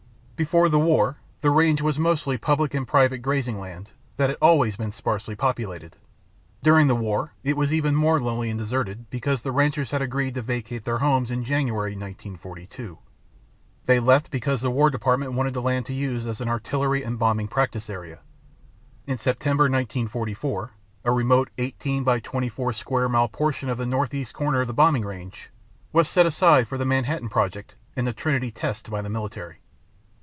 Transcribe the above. Before the war the range was mostly public and private grazing land that had always been sparsely populated. During the war it was even more lonely and deserted because the ranchers had agreed to vacate their homes in January 1942. They left because the War Department wanted the land to use as an artillery and bombing practice area. In September 1944, a remote 18 by 24 square mile portion of the north east corner of the Bombing Range was set aside for the Manhattan Project and the Trinity test by the military.